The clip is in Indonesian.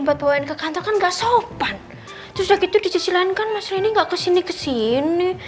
buat ke kantor kan gak sopan terus begitu disisilankan mas rendy enggak kesini kesini